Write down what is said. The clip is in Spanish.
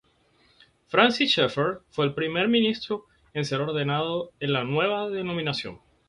Francis Schaeffer fue el primer ministro en ser ordenado en la nueva denominación.